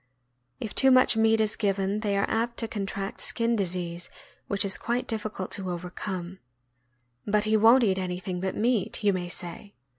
If too much meat is given, they are apt to contract skin disease, which is quite difficult to overcome. "But he won't eat anything but meat," you may say.